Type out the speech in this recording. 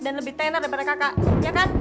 dan lebih tenar daripada kakak ya kan